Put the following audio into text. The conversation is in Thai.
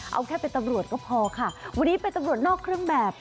เอาแค่เป็นตำรวจก็พอค่ะวันนี้เป็นตำรวจนอกเครื่องแบบ